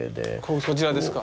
こちらですか？